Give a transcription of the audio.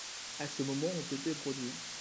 À ce moment ont été produits.